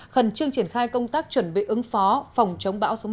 khẩn trương triển khai công tác chuẩn bị ứng phó phòng chống bão số một mươi sáu